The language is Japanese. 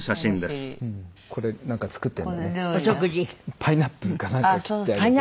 パイナップルかなんか切って。